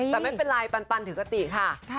แต่ไม่เป็นไรปันถือคติค่ะ